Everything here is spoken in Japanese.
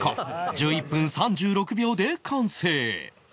１１分３６秒で完成